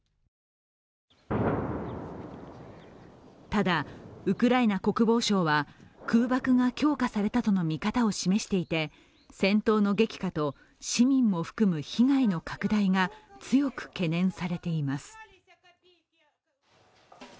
ただ、ウクライナ国防省は空爆が強化されたとの見方を示していて、戦闘の激化と市民も含む被害の拡大が強く懸念されています。